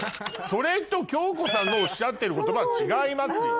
それと恭子さんのおっしゃってる言葉は違いますよ。